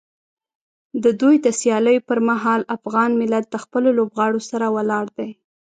د دوی د سیالیو پر مهال افغان ملت د خپلو لوبغاړو سره ولاړ دی.